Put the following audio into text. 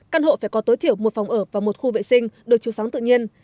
căn hộ phải có tối thiểu một phòng ở và một khu vệ sinh được chiều sáng tự nhiên